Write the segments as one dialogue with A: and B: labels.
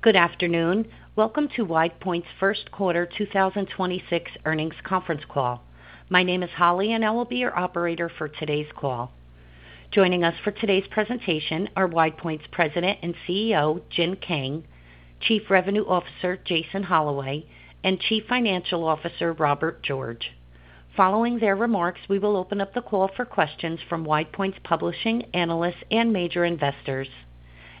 A: Good afternoon. Welcome to WidePoint's first quarter 2026 earnings conference call. My name is Holly, and I will be your operator for today's call. Joining us for today's presentation are WidePoint's president and CEO, Jin Kang, chief revenue officer, Jason Holloway, and chief financial officer, Robert George. Following their remarks, we will open up the call for questions from WidePoint's publishing analysts and major investors.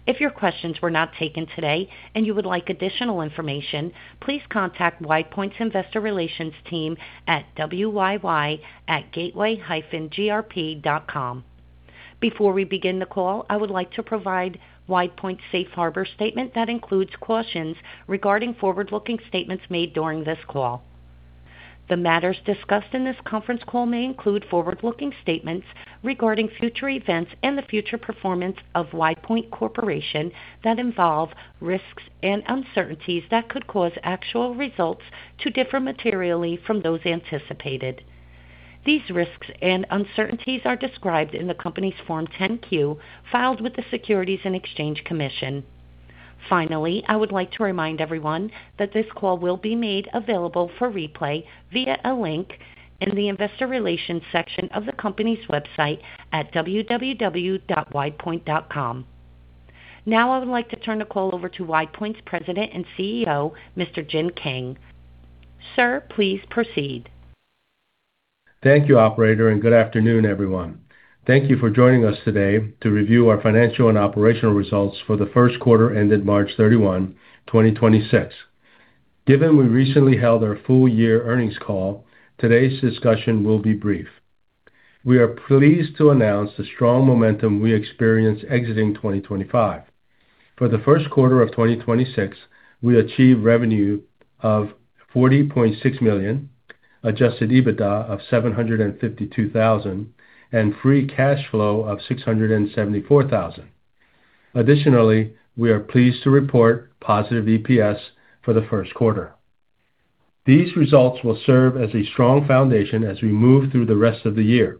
A: If your questions were not taken today and you would like additional information, please contact WidePoint's investor relations team at wyy@gateway-grp.com. Before we begin the call, I would like to provide WidePoint's safe harbor statement that includes cautions regarding forward-looking statements made during this call. The matters discussed in this conference call may include forward-looking statements regarding future events and the future performance of WidePoint Corporation that involve risks and uncertainties that could cause actual results to differ materially from those anticipated. These risks and uncertainties are described in the company's Form 10-Q filed with the Securities and Exchange Commission. Finally, I would like to remind everyone that this call will be made available for replay via a link in the investor relations section of the company's website at www.widepoint.com. Now I would like to turn the call over to WidePoint's President and CEO, Mr. Jin Kang. Sir, please proceed.
B: Thank you, operator. Good afternoon, everyone. Thank you for joining us today to review our financial and operational results for the first quarter ended March 31, 2026. Given we recently held our full year earnings call, today's discussion will be brief. We are pleased to announce the strong momentum we experienced exiting 2025. For the first quarter of 2026, we achieved revenue of $40.6 million, adjusted EBITDA of $752,000, and free cash flow of $674,000. Additionally, we are pleased to report positive EPS for the first quarter. These results will serve as a strong foundation as we move through the rest of the year.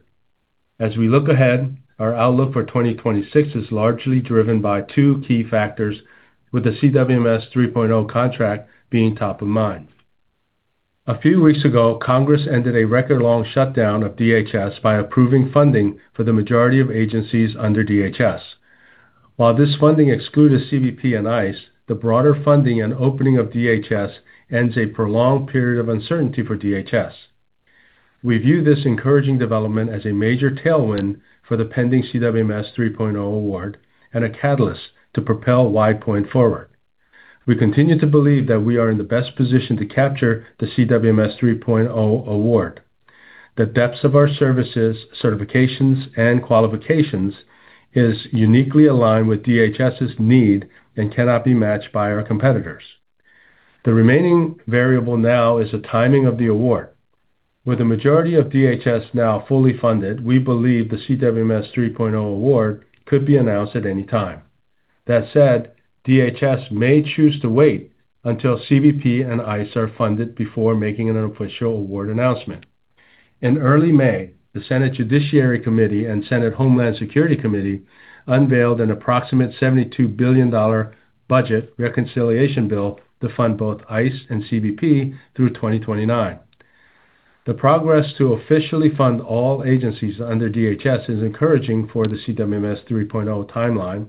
B: As we look ahead, our outlook for 2026 is largely driven by two key factors, with the CWMS 3.0 contract being top of mind. A few weeks ago, Congress ended a record-long shutdown of DHS by approving funding for the majority of agencies under DHS. While this funding excluded CBP and ICE, the broader funding and opening of DHS ends a prolonged period of uncertainty for DHS. We view this encouraging development as a major tailwind for the pending CWMS 3.0 award and a catalyst to propel WidePoint forward. We continue to believe that we are in the best position to capture the CWMS 3.0 award. The depths of our services, certifications, and qualifications is uniquely aligned with DHS's need and cannot be matched by our competitors. The remaining variable now is the timing of the award. With the majority of DHS now fully funded, we believe the CWMS 3.0 award could be announced at any time. DHS may choose to wait until CBP and ICE are funded before making an official award announcement. In early May, the Senate Judiciary Committee and Senate Homeland Security Committee unveiled an approximate $72 billion budget reconciliation bill to fund both ICE and CBP through 2029. The progress to officially fund all agencies under DHS is encouraging for the CWMS 3.0 timeline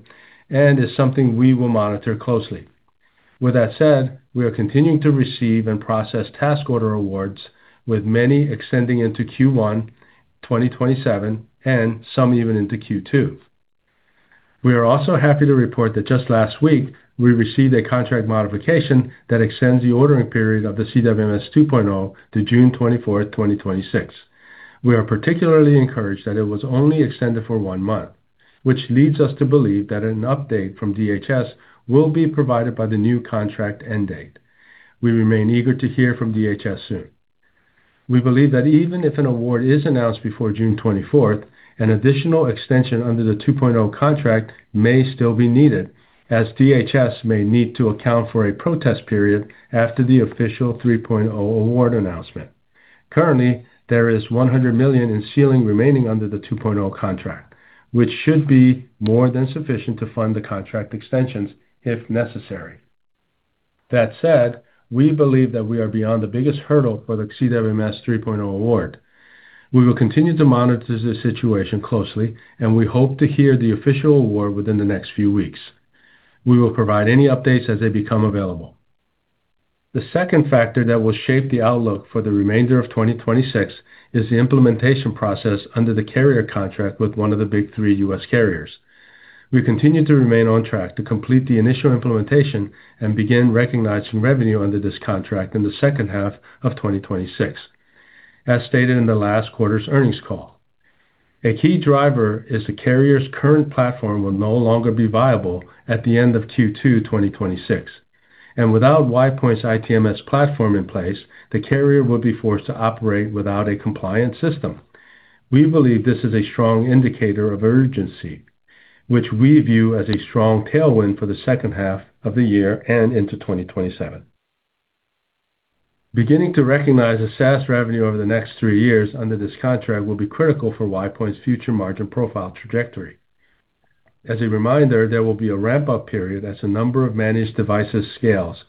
B: and is something we will monitor closely. We are continuing to receive and process task order awards, with many extending into Q1 2027 and some even into Q2. We are also happy to report that just last week we received a contract modification that extends the ordering period of the CWMS 2.0 to June 24, 2026. We are particularly encouraged that it was only extended for one month, which leads us to believe that an update from DHS will be provided by the new contract end date. We remain eager to hear from DHS soon. We believe that even if an award is announced before June 24th, an additional extension under the 2.0 contract may still be needed, as DHS may need to account for a protest period after the official 3.0 award announcement. Currently, there is $100 million in ceiling remaining under the 2.0 contract, which should be more than sufficient to fund the contract extensions if necessary. That said, we believe that we are beyond the biggest hurdle for the CWMS 3.0 award. We will continue to monitor the situation closely, and we hope to hear the official award within the next few weeks. We will provide any updates as they become available. The second factor that will shape the outlook for the remainder of 2026 is the implementation process under the carrier contract with one of the big three U.S. carriers. We continue to remain on track to complete the initial implementation and begin recognizing revenue under this contract in the second half of 2026, as stated in the last quarter's earnings call. A key driver is the carrier's current platform will no longer be viable at the end of Q2 2026, and without WidePoint's ITMS platform in place, the carrier will be forced to operate without a compliant system. We believe this is a strong indicator of urgency, which we view as a strong tailwind for the second half of the year and into 2027. Beginning to recognize the SaaS revenue over the next three years under this contract will be critical for WidePoint's future margin profile trajectory. As a reminder, there will be a ramp-up period as the number of managed devices scales,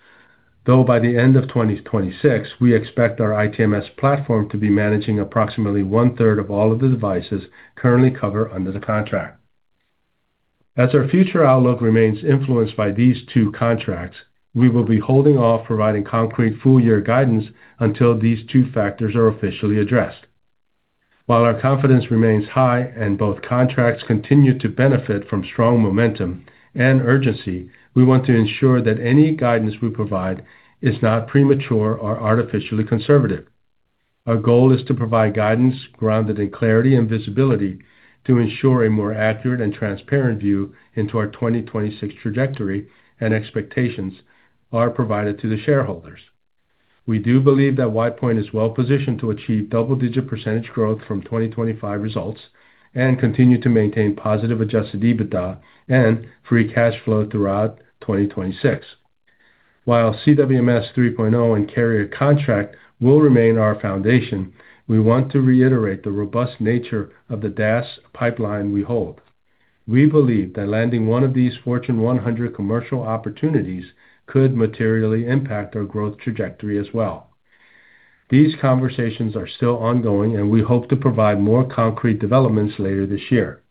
B: though by the end of 2026, we expect our ITMS platform to be managing approximately one-third of all of the devices currently covered under the contract. As our future outlook remains influenced by these two contracts, we will be holding off providing concrete full-year guidance until these two factors are officially addressed. While our confidence remains high and both contracts continue to benefit from strong momentum and urgency, we want to ensure that any guidance we provide is not premature or artificially conservative. Our goal is to provide guidance grounded in clarity and visibility to ensure a more accurate and transparent view into our 2026 trajectory, and expectations are provided to the shareholders. We do believe that WidePoint is well-positioned to achieve double-digit % growth from 2025 results and continue to maintain positive adjusted EBITDA and free cash flow throughout 2026. While CWMS 3.0 and carrier contract will remain our foundation, we want to reiterate the robust nature of the DaaS pipeline we hold. We believe that landing one of these Fortune 100 commercial opportunities could materially impact our growth trajectory as well. These conversations are still ongoing, and we hope to provide more concrete developments later this year.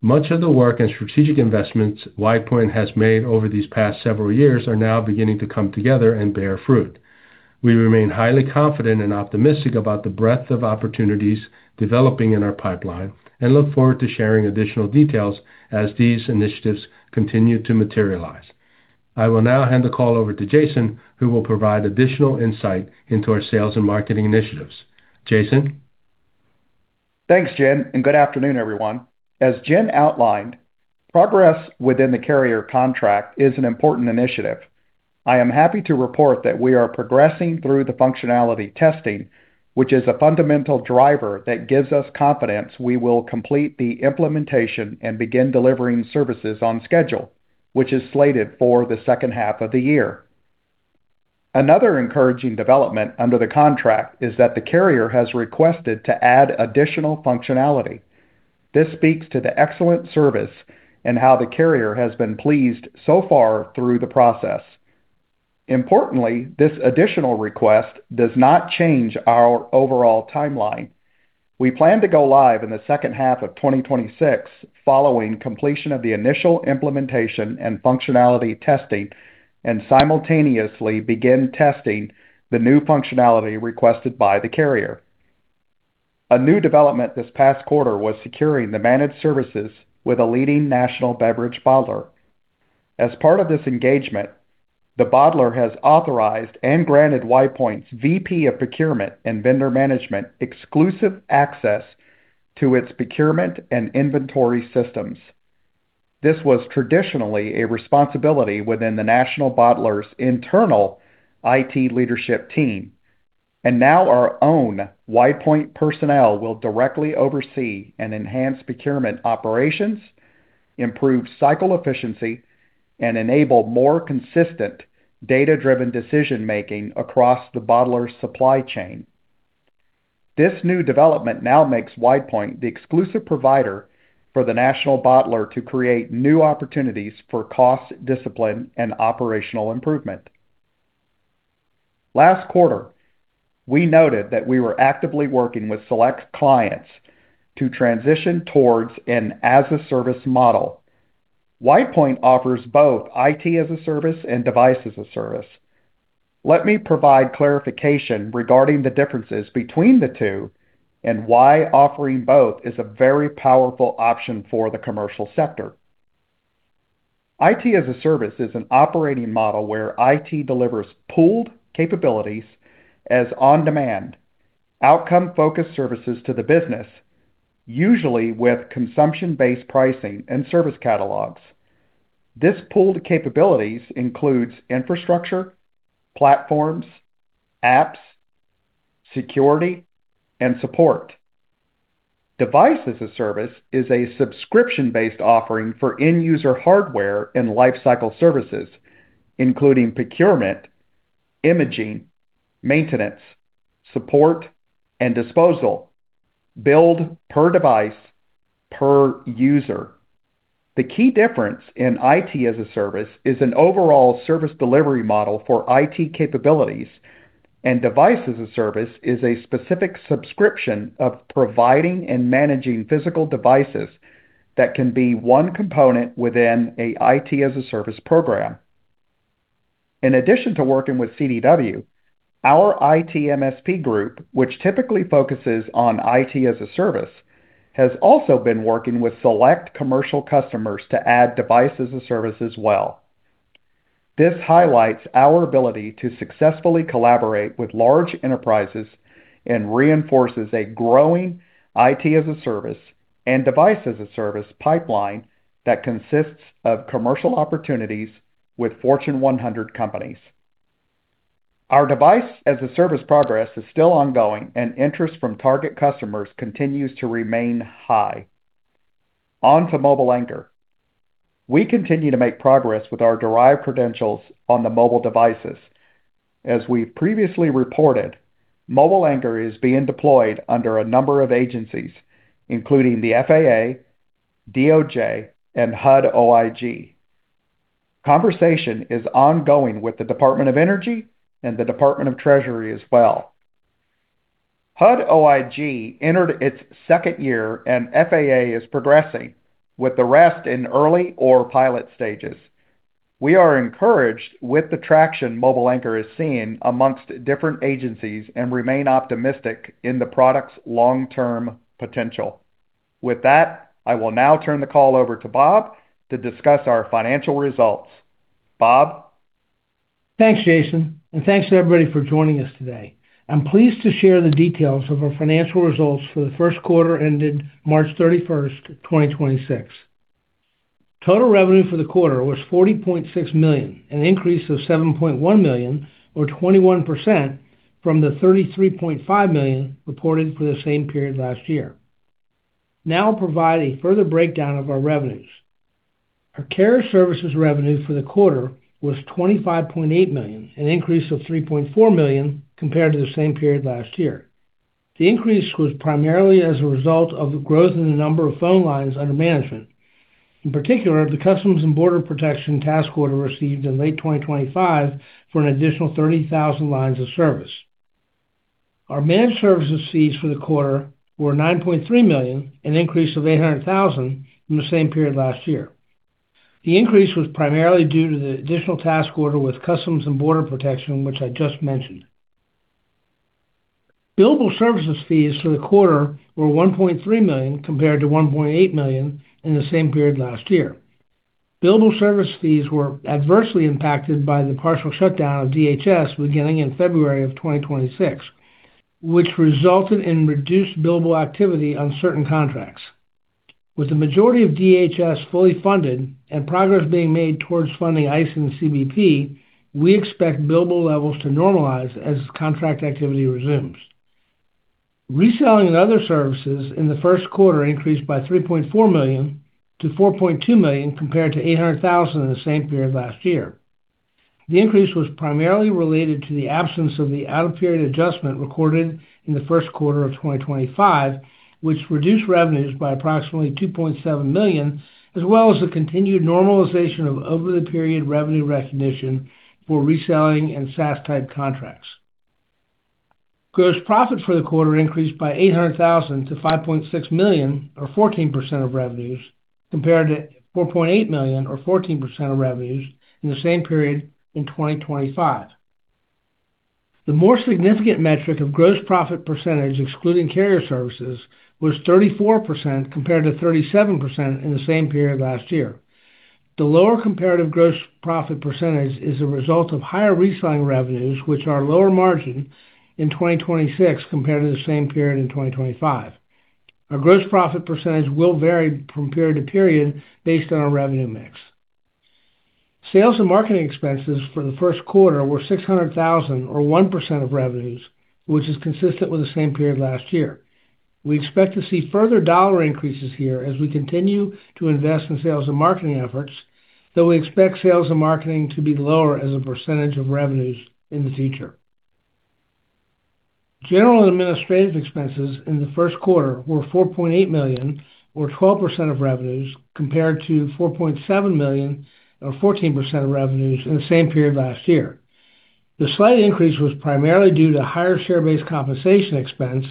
B: Much of the work and strategic investments WidePoint has made over these past several years are now beginning to come together and bear fruit. We remain highly confident and optimistic about the breadth of opportunities developing in our pipeline and look forward to sharing additional details as these initiatives continue to materialize. I will now hand the call over to Jason, who will provide additional insight into our sales and marketing initiatives. Jason?
C: Thanks, Jin, and good afternoon, everyone. As Jin outlined, progress within the carrier contract is an important initiative. I am happy to report that we are progressing through the functionality testing, which is a fundamental driver that gives us confidence we will complete the implementation and begin delivering services on schedule, which is slated for the second half of the year. Another encouraging development under the contract is that the carrier has requested to add additional functionality. This speaks to the excellent service and how the carrier has been pleased so far through the process. Importantly, this additional request does not change our overall timeline. We plan to go live in the second half of 2026 following completion of the initial implementation and functionality testing and simultaneously begin testing the new functionality requested by the carrier. A new development this past quarter was securing the managed services with a leading national beverage bottler. As part of this engagement, the bottler has authorized and granted WidePoint's VP of Procurement and Vendor Management exclusive access to its procurement and inventory systems. This was traditionally a responsibility within the national bottler's internal IT leadership team. Now our own WidePoint personnel will directly oversee and enhance procurement operations, improve cycle efficiency, and enable more consistent data-driven decision-making across the bottler's supply chain. This new development now makes WidePoint the exclusive provider for the national bottler to create new opportunities for cost discipline and operational improvement. Last quarter, we noted that we were actively working with select clients to transition towards an as-a-service model. WidePoint offers both IT as a service and device as a service. Let me provide clarification regarding the differences between the two and why offering both is a very powerful option for the commercial sector. IT as a service is an operating model where IT delivers pooled capabilities as on-demand, outcome-focused services to the business, usually with consumption-based pricing and service catalogs. These pooled capabilities include infrastructure, platforms, apps, security, and support. Device as a service is a subscription-based offering for end-user hardware and lifecycle services, including procurement, imaging, maintenance, support, and disposal, billed per device per user. The key difference in IT as a service is an overall service delivery model for IT capabilities, and Device as a service is a specific subscription of providing and managing physical devices that can be one component within a IT as a service program. In addition to working with CDW, our ITMSP group, which typically focuses on IT as a service, has also been working with select commercial customers to add devices as a service as well. This highlights our ability to successfully collaborate with large enterprises and reinforces a growing IT as a service and device as a service pipeline that consists of commercial opportunities with Fortune 100 companies. Our device-as-a-service progress is still ongoing. Interest from target customers continues to remain high. On to MobileAnchor. We continue to make progress with our derived credentials on the mobile devices. As we previously reported, MobileAnchor is being deployed under a number of agencies, including the FAA, DOJ, and HUD OIG. Conversation is ongoing with the Department of Energy and the Department of Treasury as well. HUD OIG entered its second year. FAA is progressing with the rest in early or pilot stages. We are encouraged with the traction MobileAnchor is seeing amongst different agencies and remain optimistic in the product's long-term potential. With that, I will now turn the call over to Bob to discuss our financial results. Bob?
D: Thanks, Jason, and thanks to everybody for joining us today. I'm pleased to share the details of our financial results for the first quarter ended March 31st, 2026. Total revenue for the quarter was $40.6 million, an increase of $7.1 million or 21% from the $33.5 million reported for the same period last year. Now I'll provide a further breakdown of our revenues. Our carrier services revenue for the quarter was $25.8 million, an increase of $3.4 million compared to the same period last year. The increase was primarily as a result of the growth in the number of phone lines under management. In particular, the Customs and Border Protection task order received in late 2025 for an additional 30,000 lines of service. Our managed services fees for the quarter were $9.3 million, an increase of $800,000 from the same period last year. The increase was primarily due to the additional task order with Customs and Border Protection, which I just mentioned. Billable service fees for the quarter were $1.3 million compared to $1.8 million in the same period last year. Billable service fees were adversely impacted by the partial shutdown of DHS beginning in February of 2026, which resulted in reduced billable activity on certain contracts. With the majority of DHS fully funded and progress being made towards funding ICE and CBP, we expect billable levels to normalize as contract activity resumes. Reselling and other services in the first quarter increased by $3.4 million to $4.2 million compared to $800,000 in the same period last year. The increase was primarily related to the absence of the out-of-period adjustment recorded in the first quarter of 2025, which reduced revenues by approximately $2.7 million, as well as the continued normalization of over-the-period revenue recognition for reselling and SaaS-type contracts. Gross profit for the quarter increased by $800,000 to $5.6 million, or 14% of revenues, compared to $4.8 million, or 14% of revenues, in the same period in 2025. The more significant metric of gross profit percentage, excluding carrier services, was 34% compared to 37% in the same period last year. The lower comparative gross profit percentage is a result of higher reselling revenues, which are lower margin in 2026 compared to the same period in 2025. Our gross profit percentage will vary from period to period based on our revenue mix. Sales and marketing expenses for the first quarter were $600,000, or 1% of revenues, which is consistent with the same period last year. We expect to see further dollar increases here as we continue to invest in sales and marketing efforts, though we expect sales and marketing to be lower as a percentage of revenues in the future. General and administrative expenses in the first quarter were $4.8 million or 12% of revenues compared to $4.7 million or 14% of revenues in the same period last year. The slight increase was primarily due to higher share-based compensation expense,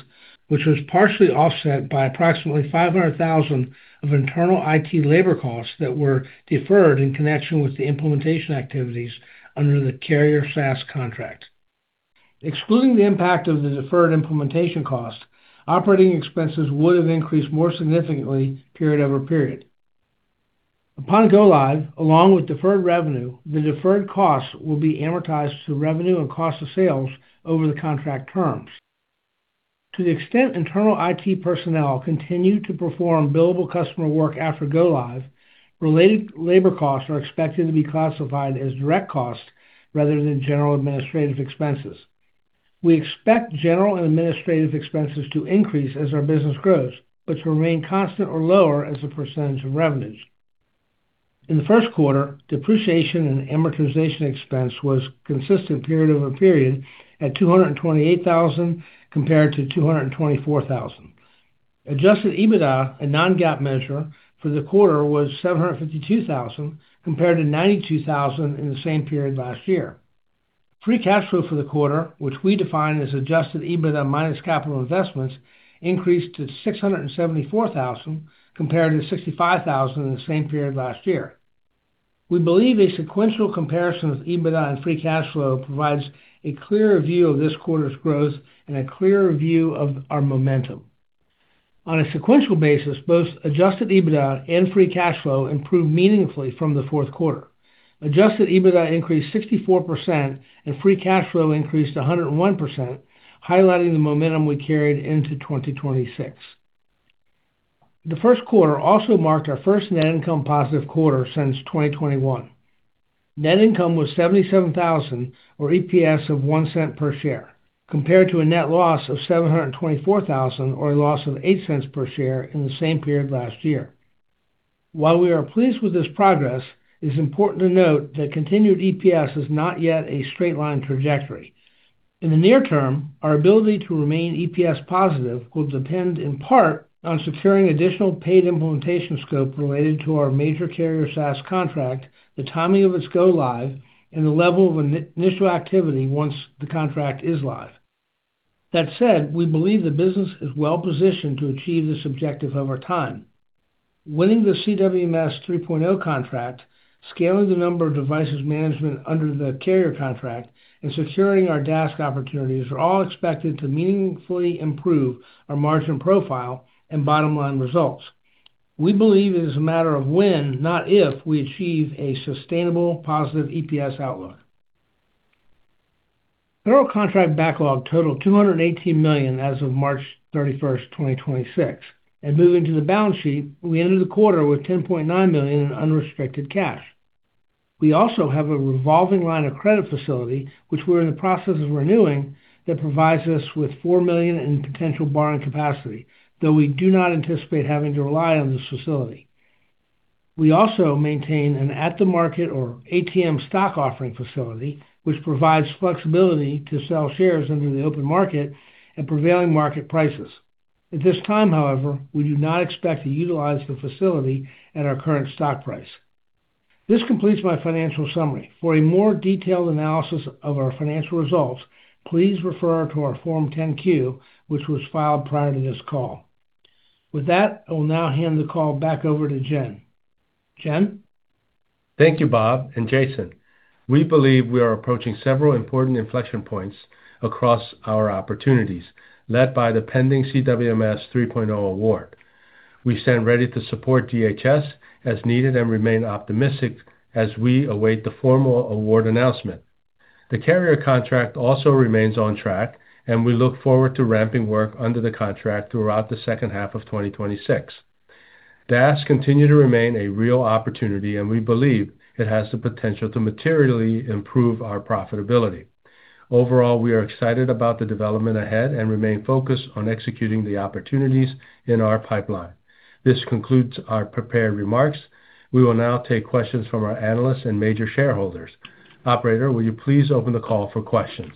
D: which was partially offset by approximately $500,000 of internal IT labor costs that were deferred in connection with the implementation activities under the carrier SaaS contract. Excluding the impact of the deferred implementation cost, operating expenses would have increased more significantly period-over-period. Upon go-live, along with deferred revenue, the deferred cost will be amortized to revenue and cost of sales over the contract terms. To the extent internal IT personnel continue to perform billable customer work after go-live, related labor costs are expected to be classified as direct costs rather than general administrative expenses. We expect general and administrative expenses to increase as our business grows but to remain constant or lower as a percentage of revenues. In the first quarter, depreciation and amortization expense was consistent period-over-period at $228,000 compared to $224,000. Adjusted EBITDA, a non-GAAP measure, for the quarter was $752,000 compared to $92,000 in the same period last year. Free cash flow for the quarter, which we define as adjusted EBITDA minus capital investments, increased to $674,000 compared to $65,000 in the same period last year. We believe a sequential comparison of EBITDA and free cash flow provides a clearer view of this quarter's growth and a clearer view of our momentum. On a sequential basis, both adjusted EBITDA and free cash flow improved meaningfully from the fourth quarter. Adjusted EBITDA increased 64% and free cash flow increased 101%, highlighting the momentum we carried into 2026. The first quarter also marked our first net income positive quarter since 2021. Net income was $77,000, or EPS of $0.01 per share, compared to a net loss of $724,000, or a loss of $0.08 per share, in the same period last year. While we are pleased with this progress, it is important to note that continued EPS is not yet a straight line trajectory. In the near term, our ability to remain EPS positive will depend in part on securing additional paid implementation scope related to our major carrier SaaS contract, the timing of its go-live, and the level of initial activity once the contract is live. We believe the business is well-positioned to achieve this objective over time. Winning the CWMS 3.0 contract, scaling the number of devices management under the carrier contract, and securing our DaaS opportunities are all expected to meaningfully improve our margin profile and bottom-line results. We believe it is a matter of when, not if, we achieve a sustainable positive EPS outlook. Federal contract backlog totaled $218 million as of March 31st, 2026. Moving to the balance sheet, we ended the quarter with $10.9 million in unrestricted cash. We also have a revolving line of credit facility, which we're in the process of renewing, that provides us with $4 million in potential borrowing capacity, though we do not anticipate having to rely on this facility. We also maintain an at-the-market or ATM stock offering facility, which provides flexibility to sell shares under the open market at prevailing market prices. At this time, however, we do not expect to utilize the facility at our current stock price. This completes my financial summary. For a more detailed analysis of our financial results, please refer to our Form 10-Q, which was filed prior to this call. With that, I will now hand the call back over to Jin. Jin?
B: Thank you, Bob and Jason. We believe we are approaching several important inflection points across our opportunities, led by the pending CWMS 3.0 award. We stand ready to support DHS as needed and remain optimistic as we await the formal award announcement. The carrier contract also remains on track, and we look forward to ramping work under the contract throughout the second half of 2026. DaaS continue to remain a real opportunity, and we believe it has the potential to materially improve our profitability. Overall, we are excited about the development ahead and remain focused on executing the opportunities in our pipeline. This concludes our prepared remarks. We will now take questions from our analysts and major shareholders. Operator, will you please open the call for questions?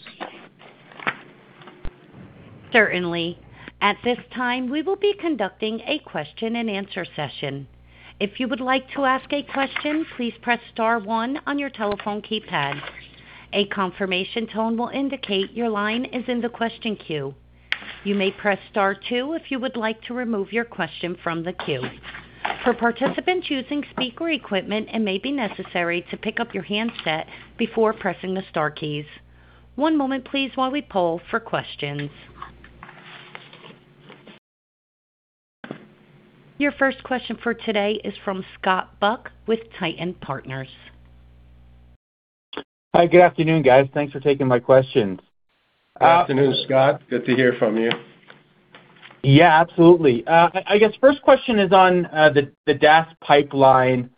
A: Certainly. At this time, we will be conducting a question and answer session. If you would like to ask a question, please press star one on your telephone keypad. A confirmation tone will indicate your line is in the question queue. You may press star two if you would like to remove your question from the queue. For participants using speaker equipment, it may be necessary to pick up your handset before pressing the star keys. One moment, please, while we poll for questions. Your first question for today is from Scott Buck with Titan Partners.
E: Hi, good afternoon, guys. Thanks for taking my questions.
B: Good afternoon, Scott. Good to hear from you.
E: Yeah, absolutely. I guess first question is on the DaaS pipeline.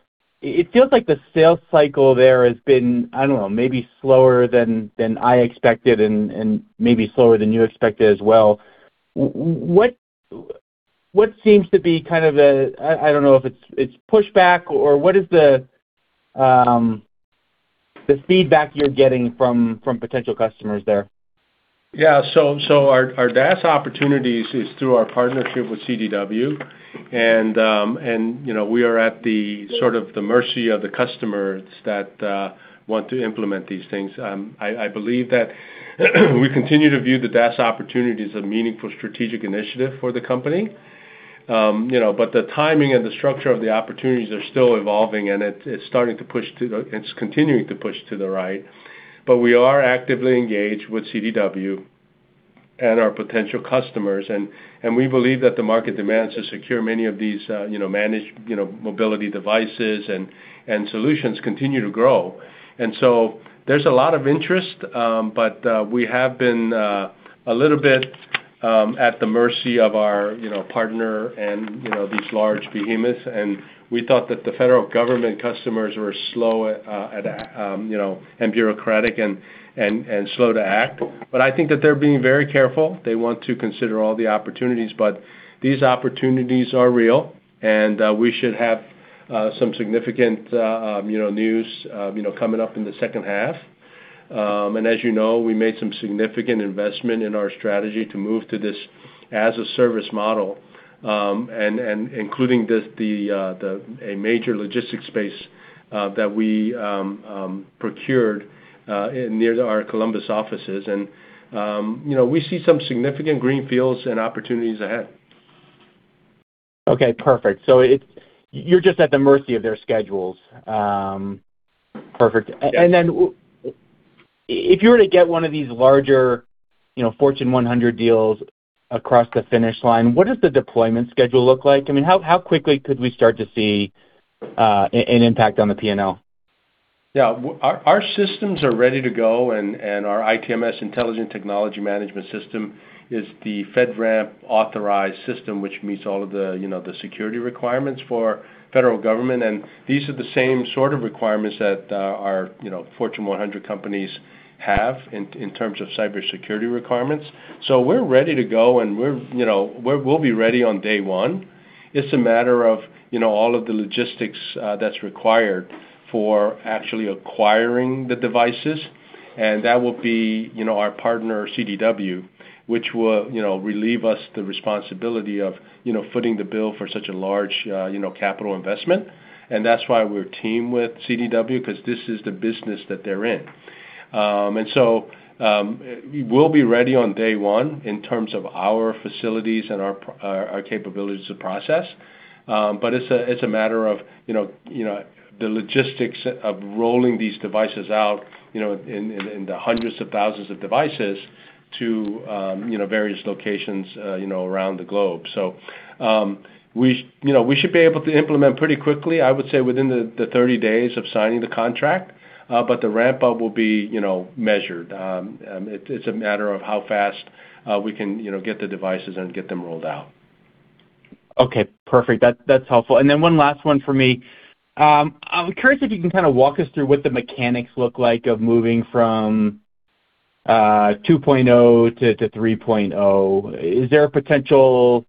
E: It feels like the sales cycle there has been, I don't know, maybe slower than I expected and maybe slower than you expected as well. What seems to be kind of I don't know if it's pushback or what is the feedback you're getting from potential customers there?
B: Our DaaS opportunities is through our partnership with CDW. You know, we are at the sort of the mercy of the customers that want to implement these things. I believe that we continue to view the DaaS opportunity as a meaningful strategic initiative for the company. You know, the timing and the structure of the opportunities are still evolving, and it's continuing to push to the right. We are actively engaged with CDW and our potential customers, and we believe that the market demands to secure many of these, you know, managed mobility devices and solutions continue to grow. There's a lot of interest, but we have been a little bit at the mercy of our, you know, partners and, you know, these large behemoths. We thought that the federal government customers were slow at, you know, and bureaucratic and slow to act. I think that they're being very careful. They want to consider all the opportunities. These opportunities are real, and we should have some significant, you know, news, you know, coming up in the second half. As you know, we made some significant investment in our strategy to move to this as a service model, and including this the, a major logistics space that we procured in near our Columbus offices. You know, we see some significant greenfields and opportunities ahead.
E: Okay, perfect. You're just at the mercy of their schedules. Perfect.
B: Yes.
E: If you were to get one of these larger, you know, Fortune 100 deals across the finish line, what does the deployment schedule look like? I mean, how quickly could we start to see an impact on the P&L?
B: Yeah. Our systems are ready to go, and our ITMS, Intelligent Technology Management System, is the FedRAMP-authorized system, which meets all of the, you know, the security requirements for the federal government. These are the same sort of requirements that our, you know, Fortune 100 companies have in terms of cybersecurity requirements. We're ready to go, and we'll be ready on day one. It's a matter of, you know, all of the logistics that's required for actually acquiring the devices, and that will be, you know, our partner CDW, which will, you know, relieve us the responsibility of, you know, footing the bill for such a large, you know, capital investment. That's why we're teamed with CDW, 'cause this is the business that they're in. We'll be ready on day 1 in terms of our facilities and our capabilities to process. It's a matter of, you know, the logistics of rolling these devices out, you know, in the hundreds of thousands of devices to, you know, various locations, you know, around the globe. We, you know, we should be able to implement pretty quickly, I would say within 30 days of signing the contract, but the ramp-up will be, you know, measured. It's a matter of how fast we can, you know, get the devices and get them rolled out.
E: Okay, perfect. That's helpful. Then one last one from me. I'm curious if you can kinda walk us through what the mechanics look like of moving from 2.0 to 3.0. Is there a potential,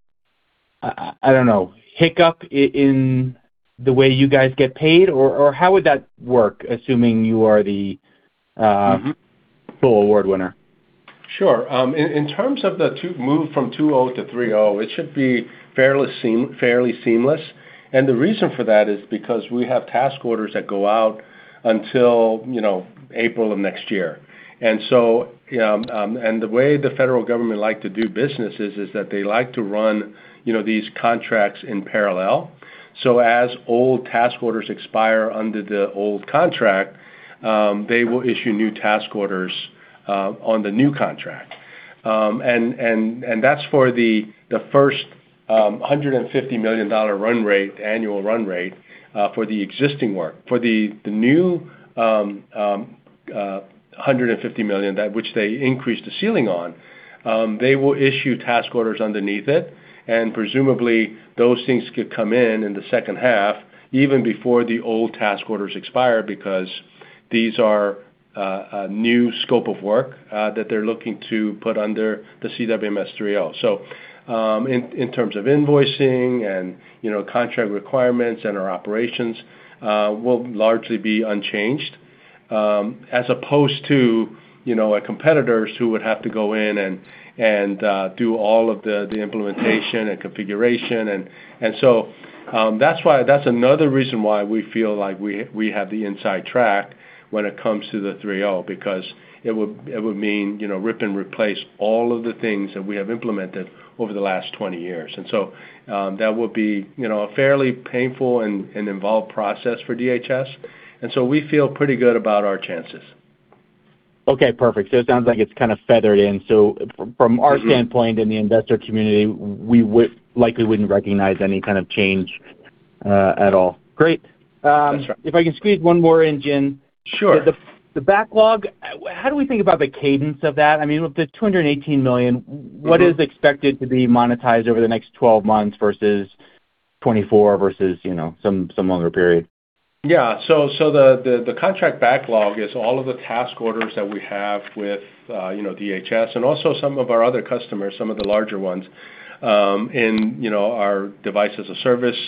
E: I don't know, hiccup in the way you guys get paid? Or how would that work, assuming you are the full award winner?
B: Sure. In terms of the move from 2.0 to 3.0, it should be fairly seamless. The reason for that is because we have task orders that go out until, you know, April of next year. The way the federal government like to do business is that they like to run, you know, these contracts in parallel. As old task orders expire under the old contract, they will issue new task orders on the new contract. That's for the first $150 million annual run rate for the existing work. For the new $150 million that which they increased the ceiling on, they will issue task orders underneath it, and presumably, those things could come in in the second half, even before the old task orders expire because these are a new scope of work that they're looking to put under the CWMS 3.0. In terms of invoicing and, you know, contract requirements and our operations will largely be unchanged as opposed to, you know, our competitors who would have to go in and do all of the implementation and configuration. That's another reason why we feel like we have the inside track when it comes to the 3.0, because it would mean, you know, rip and replace all of the things that we have implemented over the last 20 years. That would be, you know, a fairly painful and involved process for DHS, and so we feel pretty good about our chances.
E: Okay, perfect. It sounds like it's kind of feathered in our standpoint in the investor community, we likely wouldn't recognize any kind of change at all. Great.
B: That's right.
E: If I can squeeze one more in, Jin.
B: Sure.
E: The backlog, how do we think about the cadence of that? I mean, with the $218 million. What is expected to be monetized over the next 12 months versus 24 versus, you know, some longer period?
B: The contract backlog is all of the task orders that we have with, you know, DHS and also some of our other customers, some of the larger ones, in, you know, our device as a service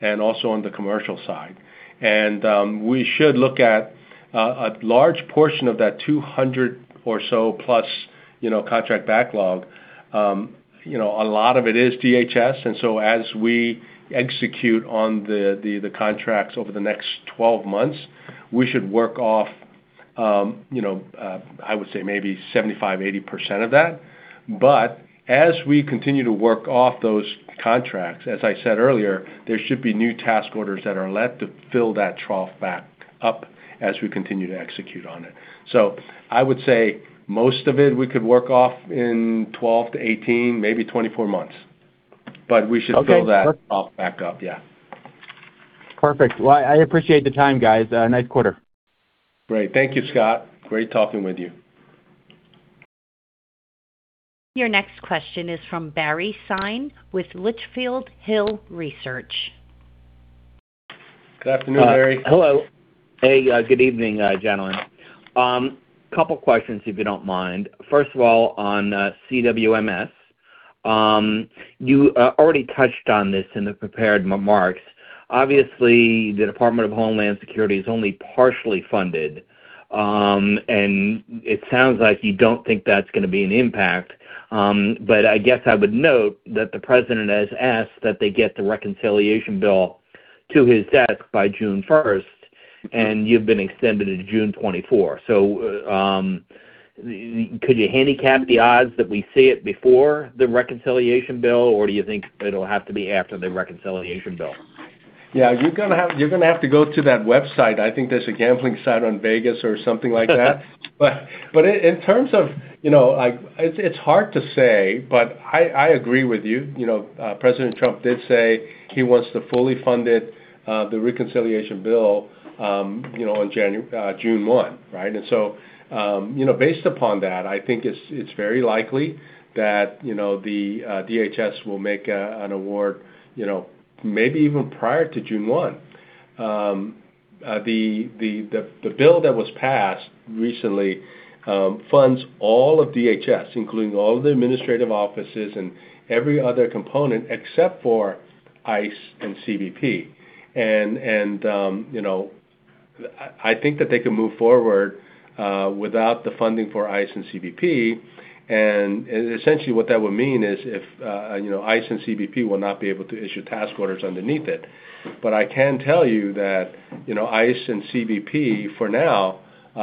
B: and also on the commercial side. We should look at a large portion of that 200 or so plus, you know, contract backlog. You know, a lot of it is DHS. As we execute on the contracts over the next 12 months, we should work off, you know, I would say maybe 75%, 80% of that. As we continue to work off those contracts, as I said earlier, there should be new task orders that are let to fill that trough back up as we continue to execute on it. I would say most of it we could work off in 12 to 18, maybe 24 months.
E: Okay. Perfect.
B: Fill that off back up, yeah.
E: Perfect. Well, I appreciate the time, guys. Nice quarter.
B: Great. Thank you, Scott. Great talking with you.
A: Your next question is from Barry Sine with Litchfield Hills Research.
B: Good afternoon, Barry.
F: Hello. Hey, good evening, gentlemen. Couple questions, if you don't mind. First of all, on CWMS. You already touched on this in the prepared remarks. Obviously, the Department of Homeland Security is only partially funded, and it sounds like you don't think that's gonna be an impact. I guess I would note that the president has asked that they get the reconciliation bill to his desk by June 1st, and you've been extended to June 24th. Could you handicap the odds that we see it before the reconciliation bill, or do you think it'll have to be after the reconciliation bill?
B: Yeah, you're gonna have to go to that website. I think there's a gambling site on Vegas or something like that. But in terms of, you know, it's hard to say, but I agree with you. You know, President Trump did say he wants to fully fund it, the reconciliation bill, you know, on June 1, right? You know, based upon that, I think it's very likely that, you know, the DHS will make an award, you know, maybe even prior to June 1. The bill that was passed recently funds all of DHS, including all of the administrative offices and every other component except for ICE and CBP. You know, I think that they can move forward without the funding for ICE and CBP. What that would mean is if, you know, ICE and CBP will not be able to issue task orders underneath it. I can tell you that, you know, ICE and CBP, for now,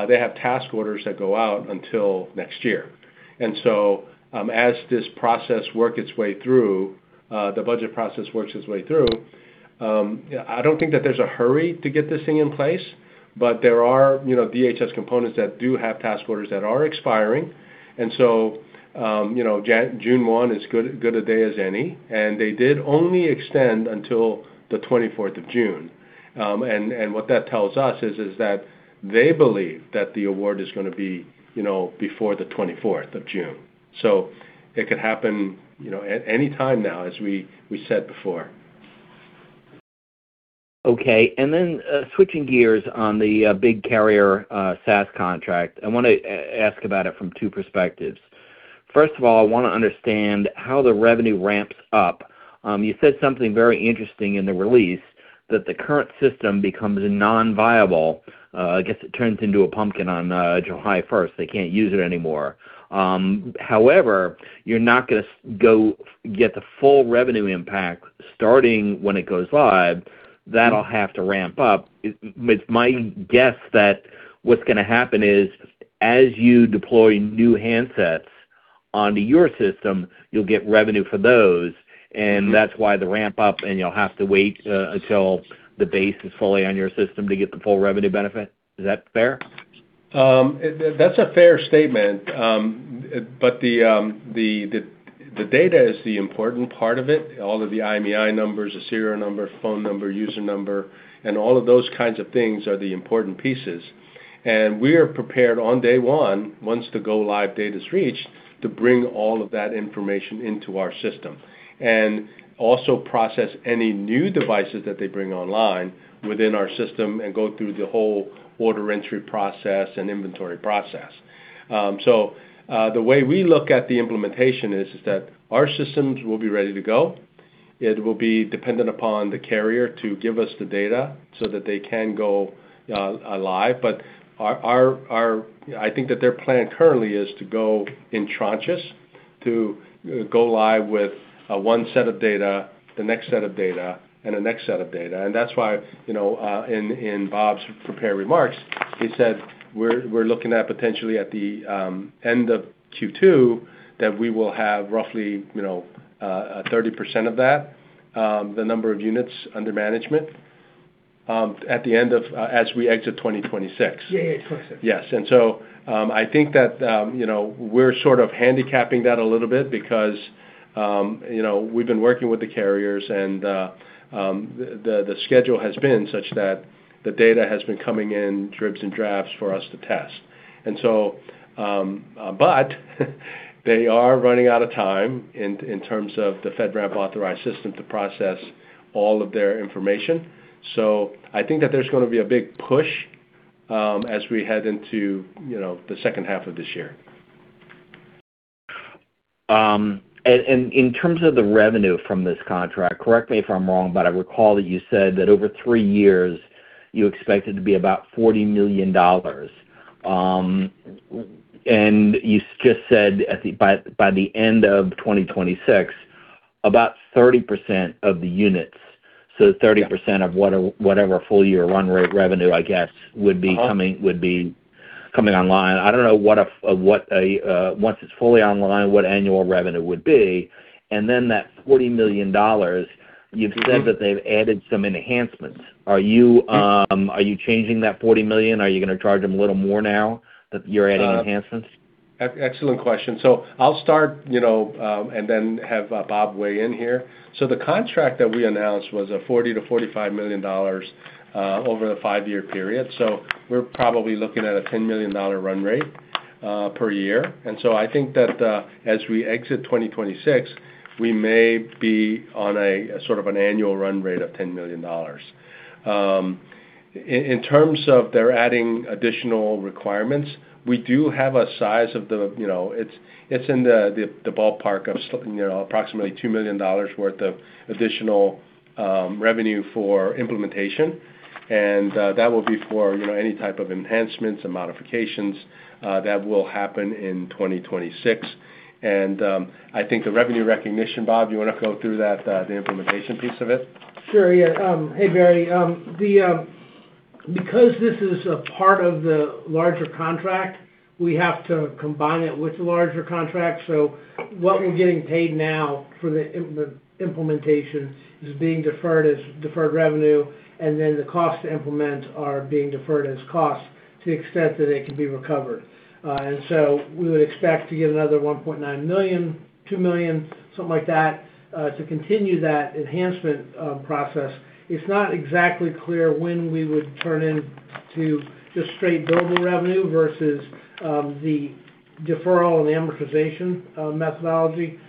B: they have task orders that go out until next year. As this process works its way through, the budget process works its way through, I don't think that there's a hurry to get this thing in place, but there are, you know, DHS components that do have task orders that are expiring. You know, June 1 is good a day as any, and they did only extend until the 24th of June. What that tells us is that they believe that the award is gonna be, you know, before the 24th of June. It could happen, you know, at any time now, as we said before.
F: Okay. Switching gears on the big carrier SaaS contract, I wanna ask about it from two perspectives. First of all, I wanna understand how the revenue ramps up. You said something very interesting in the release that the current system becomes non-viable. I guess it turns into a pumpkin on July 1st. They can't use it anymore. However, you're not gonna go get the full revenue impact starting when it goes live. That'll have to ramp up. It's my guess that what's gonna happen is as you deploy new handsets onto your system, you'll get revenue for those, and that's why the ramp up, and you'll have to wait until the base is fully on your system to get the full revenue benefit. Is that fair?
B: That's a fair statement. The data is the important part of it. All of the IMEI numbers, the serial number, phone number, user number, and all of those kinds of things are the important pieces. We are prepared on day one, once the go-live date is reached, to bring all of that information into our system and also process any new devices that they bring online within our system and go through the whole order entry process and inventory process. The way we look at the implementation is that our systems will be ready to go. It will be dependent upon the carrier to give us the data so that they can go alive. Our I think that their plan currently is to go in tranches, to go live with one set of data, the next set of data, and the next set of data. That's why, you know, in Bob's prepared remarks, he said we're looking at potentially at the end of Q2 that we will have roughly, you know, 30% of that, the number of units under management, as we exit 2026.
D: Yeah, yeah. 2026.
B: Yes. I think that, you know, we're sort of handicapping that a little bit because, you know, we've been working with the carriers and the schedule has been such that the data has been coming in dribs and drabs for us to test. They are running out of time in terms of the FedRAMP authorized system to process all of their information. I think that there's gonna be a big push as we head into, you know, the second half of this year.
F: In terms of the revenue from this contract, correct me if I'm wrong, but I recall that you said that over 3 years, you expect it to be about $40 million. You just said by the end of 2026, about 30% of the units, so 30% of whatever full-year run-rate revenue, I guess, would be coming, would be coming online. I don't know what, once it's fully online, what annual revenue would be. That $40 million, you've said that they've added some enhancements. Are you changing that $40 million? Are you going to charge them a little more now that you're adding enhancements?
B: Excellent question. I'll start, you know, and then have Bob weigh in here. The contract that we announced was a $40 million to $45 million over the five-year period. We're probably looking at a $10 million run rate per year. I think that as we exit 2026, we may be on a sort of an annual run rate of $10 million. In terms of they're adding additional requirements, we do have a size of the, you know, it's in the ballpark of, you know, approximately $2 million worth of additional revenue for implementation. That will be for, you know, any type of enhancements and modifications that will happen in 2026. I think the revenue recognition, Bob. Do you wanna go through that, the implementation piece of it?
D: Sure, yeah. Hey, Barry. Because this is a part of the larger contract, we have to combine it with the larger contract. What we're getting paid now for the implementation is being deferred as deferred revenue, and then the cost to implement are being deferred as costs to the extent that it can be recovered. We would expect to get another $1.9 million-$2 million, something like that, to continue that enhancement process. It's not exactly clear when we would turn into just straight billable revenue versus the deferral and amortization methodology.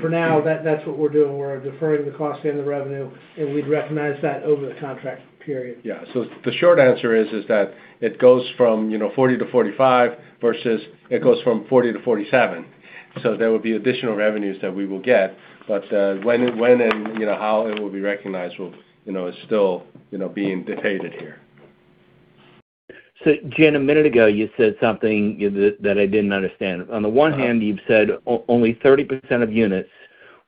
D: For now, that's what we're doing. We're deferring the cost and the revenue, and we'd recognize that over the contract period.
B: The short answer is that it goes from, you know, 40 to 45 versus it goes from 40 to 47. There will be additional revenues that we will get, but when and, you know, how it will be recognized is still, you know, being debated here.
F: Jin, a minute ago, you said something that I didn't understand. On the one hand, you've said only 30% of units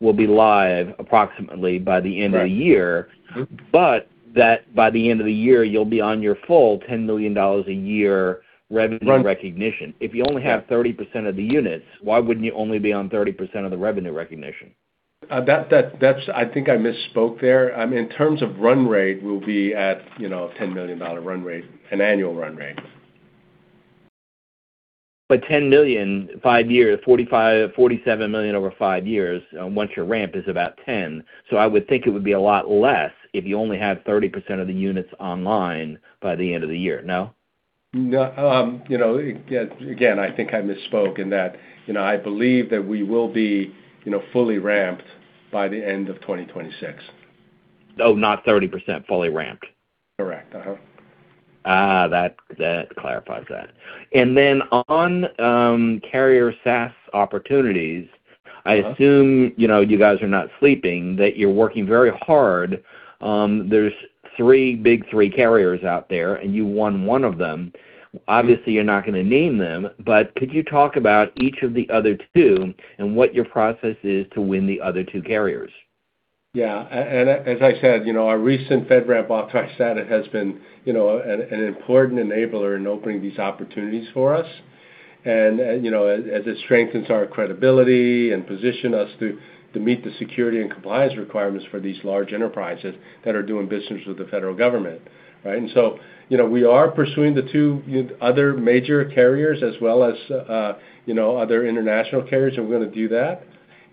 F: will be live approximately by the end.
B: Correct
F: Of the year. That by the end of the year, you'll be on your full $10 million a year revenue. Run recognition. If you only have 30% of the units, why wouldn't you only be on 30% of the revenue recognition?
B: I think I misspoke there. In terms of run rate, we'll be at, you know, a $10 million run rate, an annual run rate.
F: $10 million, five years, 45, $47 million over five years, once your ramp is about 10. I would think it would be a lot less if you only had 30% of the units online by the end of the year. No?
B: No. you know, again, I think I misspoke in that, you know, I believe that we will be, you know, fully ramped by the end of 2026.
F: Oh, not 30%, fully ramped.
B: Correct. Uh-huh.
F: That clarifies that. On carrier SaaS opportunities. I assume, you know, you guys are not sleeping, that you're working very hard. There's three big three carriers out there, and you won one of them. Obviously, you're not gonna name them, but could you talk about each of the other two and what your process is to win the other two carriers?
B: Yeah. As I said, you know, our recent FedRAMP authorization status has been, you know, an important enabler in opening these opportunities for us. You know, as it strengthens our credibility and position us to meet the security and compliance requirements for these large enterprises that are doing business with the federal government, right? You know, we are pursuing the two other major carriers as well as, you know, other international carriers, we're gonna do that.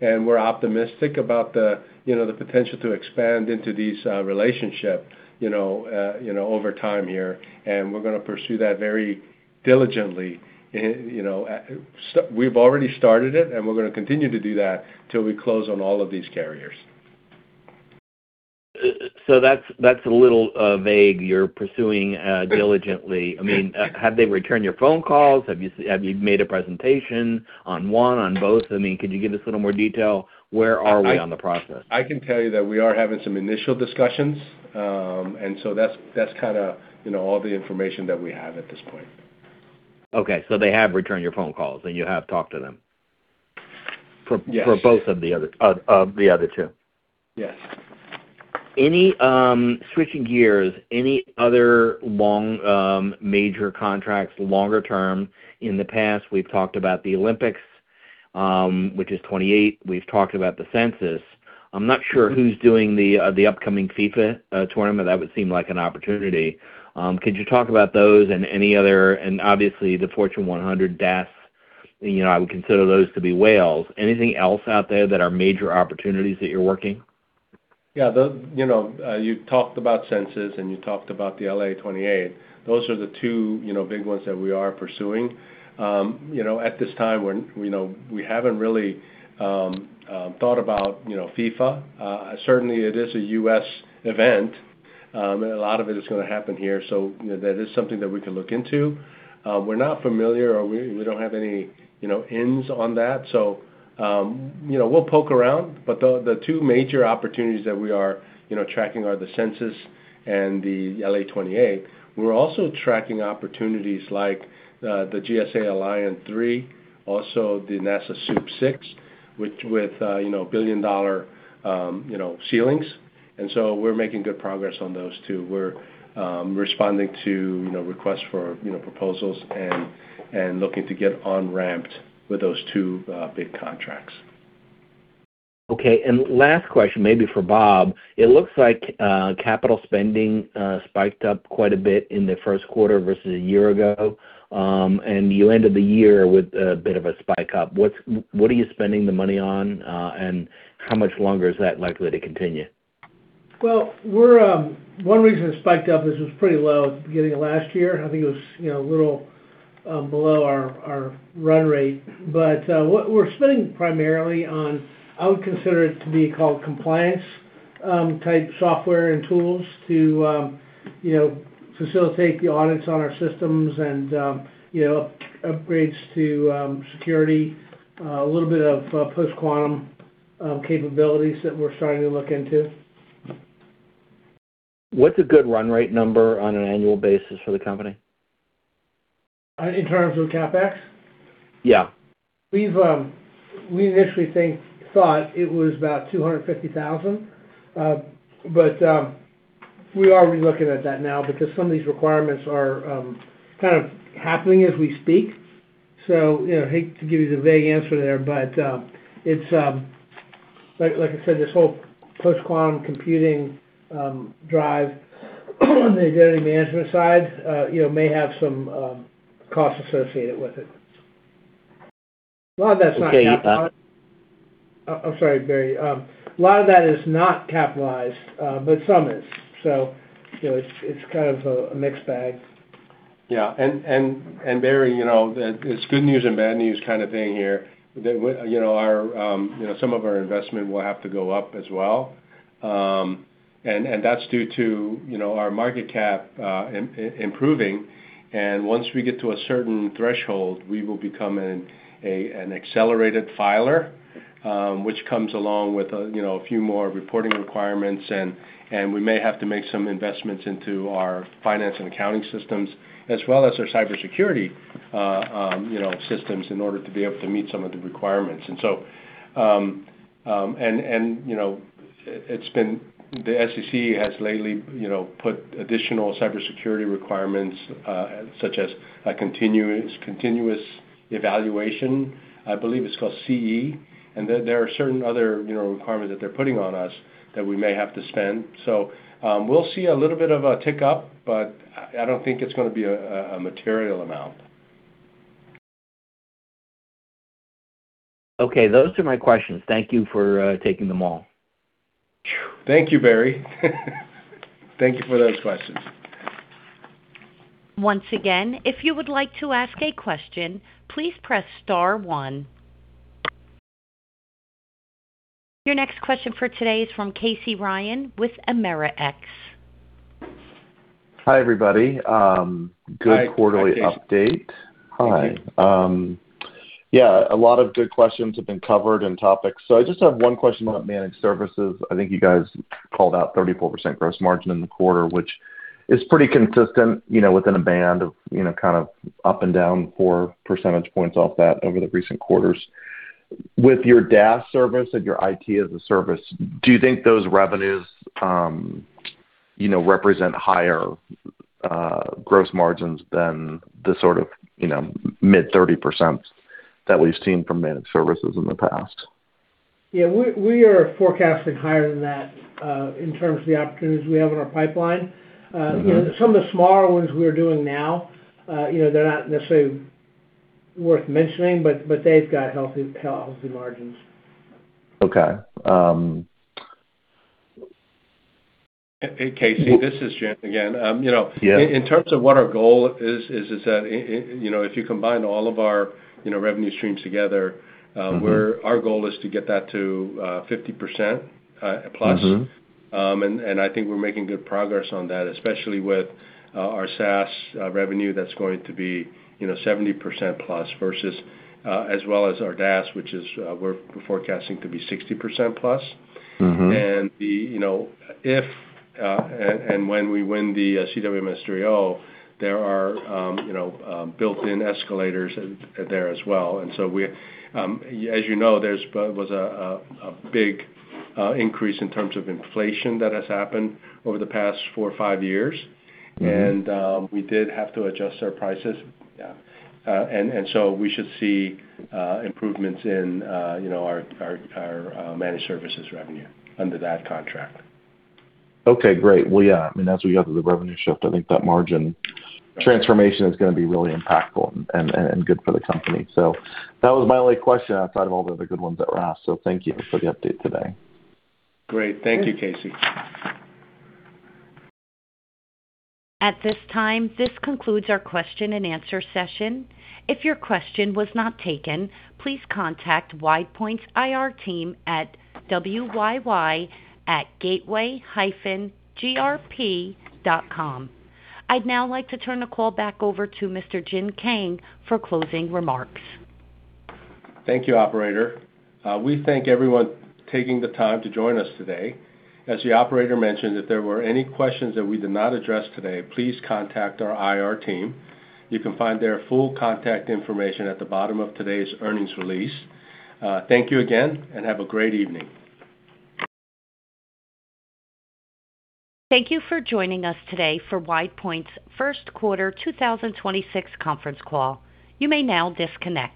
B: We're optimistic about the, you know, the potential to expand into these relationships, you know, over time here. We're gonna pursue that very diligently. You know, we've already started it, we're gonna continue to do that till we close on all of these carriers.
F: So that's a little vague. You're pursuing diligently. I mean, have they returned your phone calls? Have you made a presentation on one, on both? I mean, could you give us a little more detail? Where are we on the process?
B: I can tell you that we are having some initial discussions. That's kind of, you know, all the information that we have at this point.
F: Okay. They have returned your phone calls, and you have talked to them.
B: Yes.
F: For both of the other two.
B: Yes.
F: Any, switching gears, any other long, major contracts, longer term? In the past, we've talked about the Olympics, which is 2028. We've talked about the census. I'm not sure who's doing the upcoming FIFA tournament. That would seem like an opportunity. Could you talk about those? Obviously, the Fortune 100 SaaS, you know, I would consider those to be whales. Anything else out there that are major opportunities that you're working?
B: Yeah. The, you know, you talked about census, and you talked about the L.A. '28. Those are the two, you know, big ones that we are pursuing. You know, at this time, we haven't really thought about, you know, FIFA. Certainly it is a U.S. event, and a lot of it is gonna happen here, so, you know, that is something that we can look into. We're not familiar, or we don't have any, you know, ins on that. You know, we'll poke around. The two major opportunities that we are, you know, tracking are the census and the L.A. '28. We're also tracking opportunities like the GSA Alliant 3, also the NASA SEWP VI, which with, you know, billion-dollar, you know, ceilings. We're making good progress on those two We're responding to, you know, requests for, you know, proposals and looking to get on ramped with those two big contracts.
F: Okay. Last question may be for Bob. It looks like capital spending spiked up quite a bit in the first quarter versus a year ago, and you ended the year with a bit of a spike up. What are you spending the money on, and how much longer is that likely to continue?
D: One reason it spiked up is it was pretty low beginning of last year. I think it was, you know, a little below our run rate. What we're spending primarily on, I would consider it to be called compliance-type software and tools to, you know, facilitate the audits on our systems and, you know, upgrades to security, a little bit of post-quantum capabilities that we're starting to look into.
F: What's a good run rate number on an annual basis for the company?
D: In terms of CapEx?
F: Yeah.
D: We've we initially thought it was about $250,000. We are relooking at that now because some of these requirements are kind of happening as we speak. You know, I hate to give you the vague answer there, but it's like I said, this whole post-quantum computing drive on the identity management side, you know, may have some costs associated with it. A lot of that's not cap.
F: Okay.
D: I'm sorry, Barry. A lot of that is not capitalized, but some is. You know, it's kind of a mixed bag.
B: Yeah. Barry, you know, the, it's good news and bad news kind of thing here. That, you know, some of our investment will have to go up as well. That's due to, you know, our market cap improving. Once we get to a certain threshold, we will become an accelerated filer, which comes along with a, you know, a few more reporting requirements, we may have to make some investments into our finance and accounting systems as well as our cybersecurity, you know, systems in order to be able to meet some of the requirements. So, you know, it's been the SEC has lately, you know, put additional cybersecurity requirements, such as a continuous evaluation. I believe it's called CE. There are certain other, you know, requirements that they're putting on us that we may have to spend. We'll see a little bit of a tick-up, but I don't think it's gonna be a material amount.
F: Okay. Those are my questions. Thank you for taking them all.
B: Thank you, Barry. Thank you for those questions.
A: Your next question for today is from Casey Ryan with AmerX.
G: Hi, everybody. Good quarterly update.
B: Hi, Casey.
G: Hi. Yeah, a lot of good questions have been covered and topics. I just have one question about managed services. I think you guys called out 34% gross margin in the quarter, which is pretty consistent, you know, within a band of, you know, kind of up and down four percentage points off that over the recent quarters. With your DaaS service and your IT as a service, do you think those revenues, you know, represent higher gross margins than the sort of, you know, mid-30% that we've seen from managed services in the past?
D: Yeah. We are forecasting higher than that in terms of the opportunities we have in our pipeline. You know, some of the smaller ones we're doing now, you know, they're not necessarily worth mentioning, but they've got healthy margins.
G: Okay.
B: Hey, Casey, this is Jin again. You know.
G: Yeah.
B: In terms of what our goal is that, you know, if you combine all of our, you know, revenue streams together Our goal is to get that to 50% plus. I think we're making good progress on that, especially with our SaaS revenue that's going to be, you know, 70% plus versus, as well as our DaaS, which is, we're forecasting to be 60% plus. The, you know, if and when we win the CWMS 3.0, there are, you know, built-in escalators there as well. We, as you know, was a big increase in terms of inflation that has happened over the past four or five years. We did have to adjust our prices. Yeah. So we should see improvements in, you know, our managed services revenue under that contract.
G: Okay, great. Well, yeah, I mean, as we get to the revenue shift, I think that margin transformation is gonna be really impactful and good for the company. That was my only question outside of all the other good ones that were asked. Thank you for the update today.
B: Great. Thank you, Casey.
A: At this time, this concludes our question and answer session. If your question was not taken, please contact WidePoint's IR team at wyy@gateway-grp.com. I'd now like to turn the call back over to Mr. Jin Kang for closing remarks.
B: Thank you, operator. We thank everyone taking the time to join us today. As the operator mentioned, if there were any questions that we did not address today, please contact our IR team. You can find their full contact information at the bottom of today's earnings release. Thank you again, and have a great evening.
A: Thank you for joining us today for WidePoint's first quarter 2026 conference call. You may now disconnect.